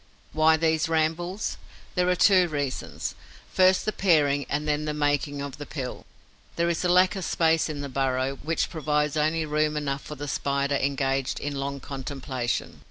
Why these rambles? There are two reasons: first the pairing and then the making of the pill. There is a lack of space in the burrow, which provides only room enough for the Spider engaged in long contemplation.